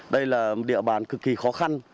đây là địa bàn cực kỳ khó khăn